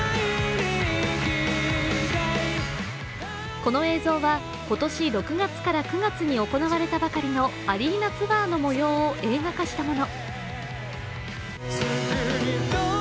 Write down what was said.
この映像は、今年６月から９月に行われたばかりのアリーナツアーの模様を映画化したもの。